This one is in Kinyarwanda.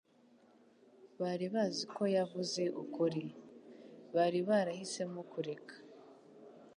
Bari bazi ko yavuze ukuri. Bari barahisemo kureka